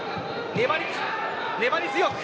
粘り強く。